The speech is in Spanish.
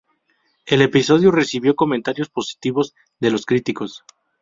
El episodio recibió comentarios positivos de los críticos.